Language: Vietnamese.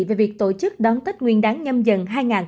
về việc tổ chức đón tết nguyên đáng nhâm dần hai nghìn hai mươi bốn